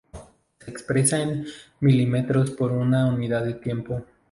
Se expresa en milímetros por unidad de tiempo.